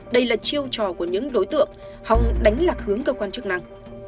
đây là chiêu trò của những đối tượng hòng đánh lạc hướng cơ quan chức năng